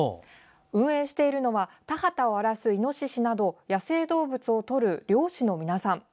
運営しているのは田畑を荒らすイノシシなど野生動物をとる猟師の皆さん。